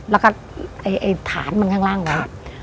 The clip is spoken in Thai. แล้วก็ไอ้ฐานมันข้างล่างไว้